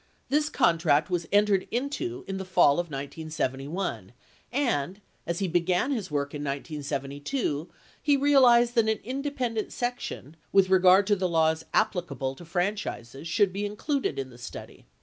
This contract was entered into in the fall of 1971 ; and, as he began his work in 1972, he realized that an independent section with regard to the laws ap plicable to franchises should be included in the study.